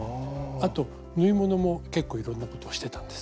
あと縫い物も結構いろんなことをしてたんです。